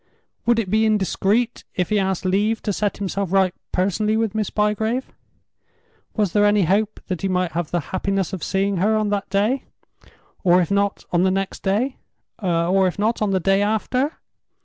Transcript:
Would it be indiscreet if he asked leave to set himself right personally with Miss Bygrave? Was there any hope that he might have the happiness of seeing her on that day? or, if not, on the next day? or if not, on the day after?